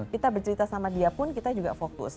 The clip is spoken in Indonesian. kita bercerita sama dia pun kita juga fokus